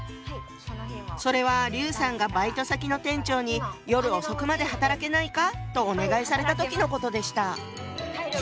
それは劉さんがバイト先の店長に「夜遅くまで働けないか？」とお願いされた時のことでした。